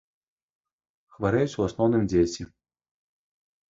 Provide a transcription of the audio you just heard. Хварэюць у асноўным дзеці.